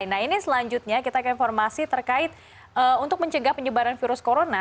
nah ini selanjutnya kita akan informasi terkait untuk mencegah penyebaran virus corona